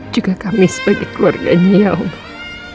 juga kami sebagai keluarganya ya allah